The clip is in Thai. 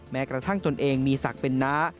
แม้กระทั่งตนเองมีศักดิ์เป็นน้า